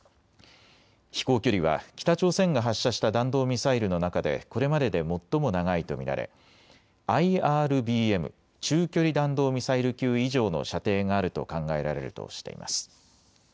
飛行距離は北朝鮮が発射した弾道ミサイルの中でこれまでで最も長いと見られＩＲＢＭ・中距離弾道ミサイル級以上の射程があると考えられるとしています。